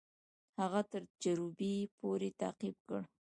هغه تر جروبي پوري تعقیب کړ.